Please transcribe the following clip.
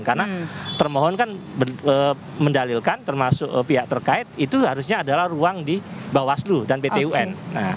karena termohon kan mendalilkan termasuk pihak terkait itu harusnya adalah ruang di bawah seluruh dan pt un